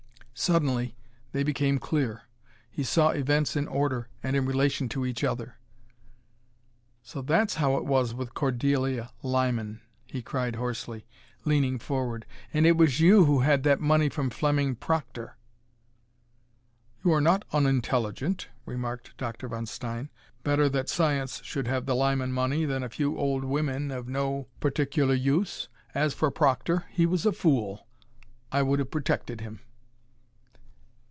Suddenly they became clear. He saw events in order, and in relation to each other. "So that's how it was with Cordelia Lyman!" he cried hoarsely, leaning forward. "And it was you who had that money from Fleming Proctor!" "You are not unintelligent," remarked Dr. von Stein. "Better that science should have the Lyman money than a few old women of no particular use. As for Proctor, he was a fool. I would have protected him."